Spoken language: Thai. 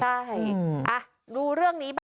ใช่อ่ะรู้เรื่องนี้บ้าง